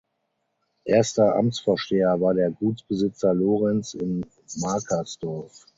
Erster Amtsvorsteher war der Gutsbesitzer Lorenz in Markersdorf.